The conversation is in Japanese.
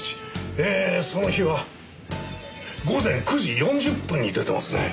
えーその日は午前９時４０分に出てますね。